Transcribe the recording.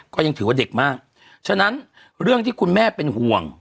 ก็ยังถือว่าเด็กมากฉะนั้นเรื่องที่คุณแม่เป็นห่วง